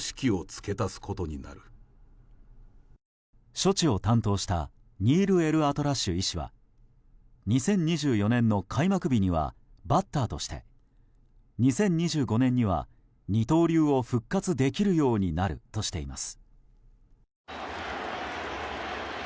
処置を担当したニール・エルアトラッシュ医師は２０２４年の開幕日にはバッターとして２０２５年には二刀流を復活できるようになるとしています。